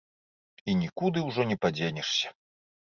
І нікуды ўжо не падзенешся.